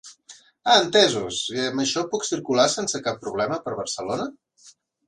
Ah entesos, i amb això puc circular sense cap problema per Barcelona?